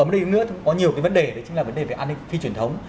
ở một nơi nước có nhiều cái vấn đề đấy chính là vấn đề về an ninh phi truyền thống